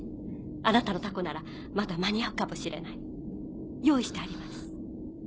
あなたの凧ならまだ間に合うかもしれない用意してあります。